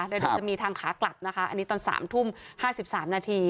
เดี๋ยวจะมีทางขากลับนะคะอันนี้ตอน๓ทุ่ม๕๓นาที